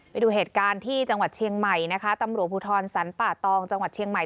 ไปดูเหตุการณ์ที่จังหวัดเชียงใหม่นะคะตำรวจภูทรสรรป่าตองจังหวัดเชียงใหม่